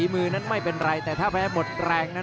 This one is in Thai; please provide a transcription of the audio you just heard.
อื้อหือจังหวะขวางแล้วพยายามจะเล่นงานด้วยซอกแต่วงใน